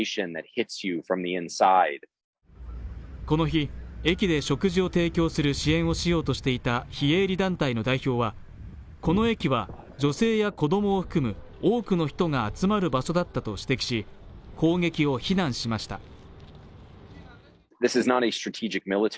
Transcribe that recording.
この日、駅で食事を提供する支援をしようとしていた非営利団体の代表は、この駅は女性や子供を含む多くの人が集まる場所だったと指摘し、攻撃を非難しました。